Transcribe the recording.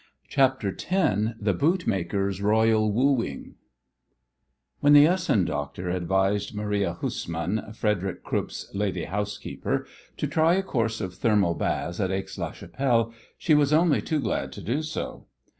CHAPTER X THE BOOTMAKER'S ROYAL WOOING When the Essen doctor advised Maria Hussmann, Frederick Krupp's "lady housekeeper," to try a course of thermal baths at Aix la Chapelle she was only too glad to do so.